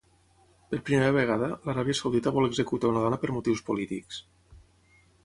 Per primera vegada, l'Aràbia Saudita vol executar una dona per motius polítics.